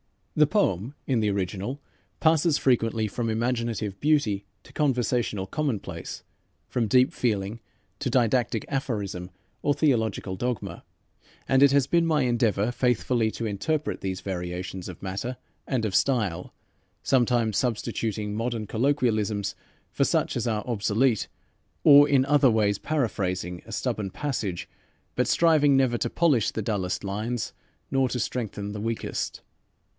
The poem in the original passes frequently from imaginative beauty to conversational commonplace, from deep feeling to didactic aphorism or theological dogma, and it has been my endeavor faithfully to interpret these variations of matter and of style, sometimes substituting modern colloquialisms for such as are obsolete, or in other ways paraphrasing a stubborn passage, but striving never to polish the dullest lines nor to strengthen the weakest.